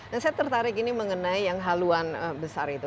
nah saya tertarik ini mengenai yang haluan besar itu